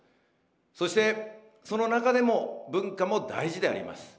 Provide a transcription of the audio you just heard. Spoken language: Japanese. そしてその中でも、文化も大事であります。